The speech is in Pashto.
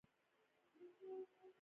د څو وزارتونو پیغامونه واورل شول.